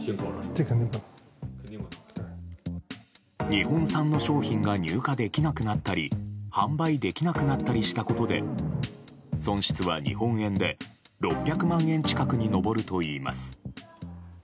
日本産の商品が入荷できなくなったり販売できなくなったりしたことで損失は日本円で６００万円近くに上るといいます。